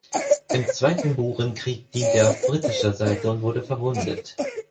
Im Zweiten Burenkrieg diente er auf britischer Seite und wurde verwundet.